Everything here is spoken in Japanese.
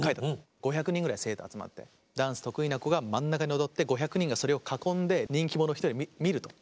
５００人ぐらい生徒集まってダンス得意な子が真ん中で踊って５００人がそれを囲んで人気者１人を見ると。